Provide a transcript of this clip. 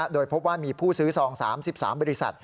โดยพบว่ามีผู้ซื้อซอง๓๓บริษัท